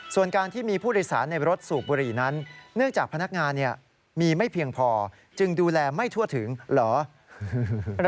ส่วนการที่มีผู้โดยสารในรถสูบบุหรี่นั้นเนื่องจากพนักงานมีไม่เพียงพอจึงดูแลไม่ทั่วถึงเหรอ